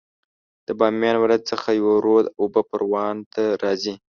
د بامیان ولایت څخه یو رود اوبه پروان ته راځي